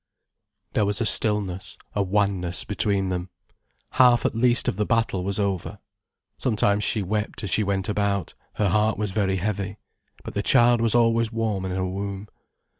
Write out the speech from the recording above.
There was a stillness, a wanness between them. Half at least of the battle was over. Sometimes she wept as she went about, her heart was very heavy. But the child was always warm in her womb.